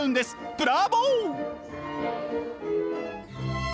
ブラボー！